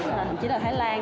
thậm chí là thái lan